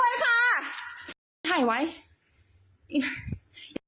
โอ้วช่างันไม่เป็นไรลูก